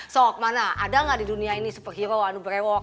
sok mana ada gak di dunia ini superhero yang berewok